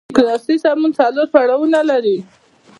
قیاسي سمون څلور پړاوونه لري.